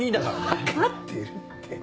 分かってるって。